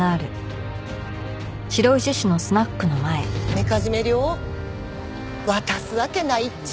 みかじめ料？渡すわけないっちゃ。